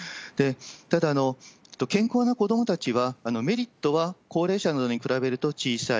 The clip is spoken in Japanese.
ただ、健康な子どもたちは、メリットは、高齢者などに比べると小さい。